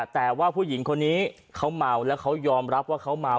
แต่ว่าผู้หญิงคนนี้เขาเมาแล้วเขายอมรับว่าเขาเมา